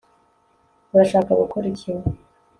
Urashaka gukora iki